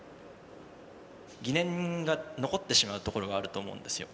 疑念が残ってしまうところがあると思うんですよ。